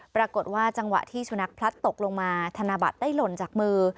ปรากฏว่าจังหวะที่สุนัขพลัดตกลงมาธนบัตรได้หล่นจากมือ